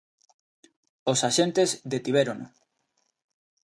Os axentes detivérono.